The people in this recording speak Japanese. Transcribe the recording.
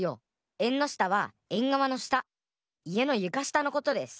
えんのしたはえんがわのしたいえのゆかしたのことです！